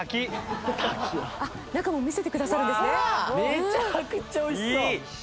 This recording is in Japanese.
めちゃくちゃ美味しそう！